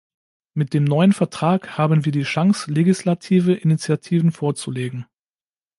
Mit dem neuen Vertrag haben wir die Chance, legislative Initiativen vorzulegen.